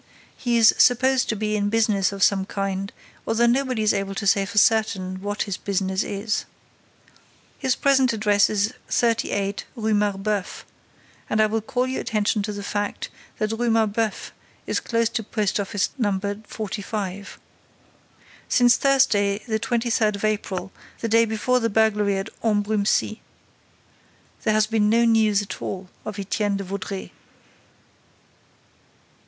He is supposed to be in business of some kind, although nobody is able to say for certain what his business is. His present address is 38, Rue Marbeuf; and I will call your attention to the fact that the Rue Marbeuf is close to Post office Number 45. Since Thursday the twenty third of April, the day before the burglary at Ambrumésy, there has been no news at all of Étienne de Vaudreix.